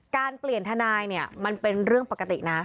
การเปลี่ยนทนายเนี่ยมันเป็นเรื่องปกตินะ